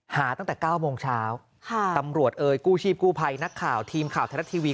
ตั้งแต่๙โมงเช้าตำรวจเอ่ยกู้ชีพกู้ภัยนักข่าวทีมข่าวไทยรัฐทีวี